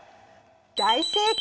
大正解！